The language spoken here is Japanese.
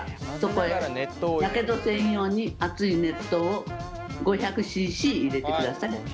やけどせんように熱い熱湯を５００ｃｃ入れてください。